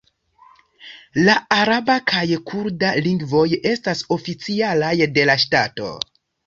La araba kaj kurda lingvoj estas oficialaj de la ŝtato.